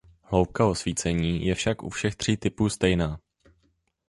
Hloubka osvícení je však u všech tří typů stejná.